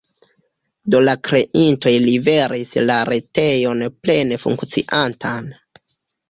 Do la kreintoj liveris la retejon plene funkciantan.